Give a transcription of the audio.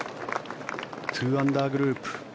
２アンダーグループ。